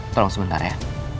tolong sebentar ya